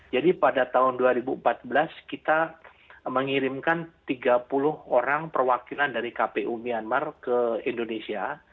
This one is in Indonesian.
jadi pada tahun dua ribu empat belas kita mengirimkan tiga puluh orang perwakilan dari kpu myanmar ke indonesia